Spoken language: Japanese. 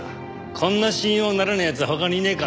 こんな信用ならねえ奴は他にいねえからな。